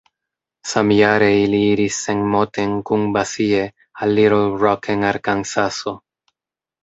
Samjare ili iris sen Moten kun Basie al Little Rock en Arkansaso.